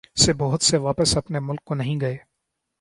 سے بہت سے واپس اپنے ملک کو نہیں گئے۔